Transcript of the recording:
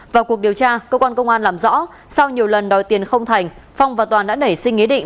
vào cuộc điều tra cơ quan công an làm rõ sau nhiều lần đòi tiền không thành phong và toàn đã nảy sinh ý định